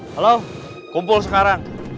halo kumpul sekarang